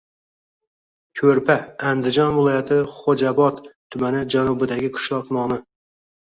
Ko‘rpa - Andijon viloyati Xo‘jaobod tumani janubidagi qishloq nomi.